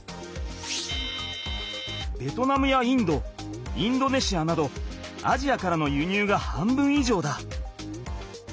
ベトナムやインドインドネシアなどアジアからの輸入が半分いじょうだ。